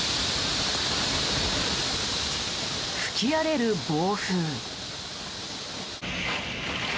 吹き荒れる暴風。